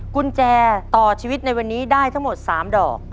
กุญแจต่อชีวิตในวันนี้ได้ทั้งหมด๓ดอก